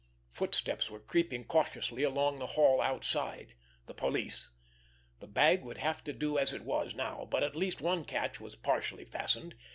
Footsteps were creeping cautiously along the hall outside. The police! The bag would have to do as it was now; but at least one catch was partially fastened.